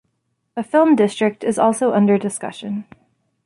A film district is also under discussion.